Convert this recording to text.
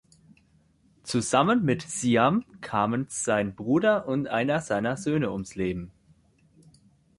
Zusammen mit Siam kamen sein Bruder und einer seiner Söhne ums Leben.